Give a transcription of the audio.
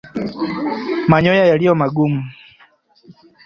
Manyoya yaliyo magumu